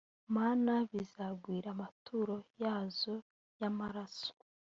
mana bizagwira amaturo yazo y amaraso